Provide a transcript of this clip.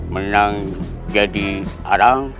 menang jadi orang